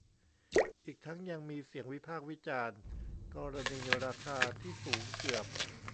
อีกทั้งยังมีเสียงวิพากษ์วิจารณ์กรณีราคาที่สูงเกือบ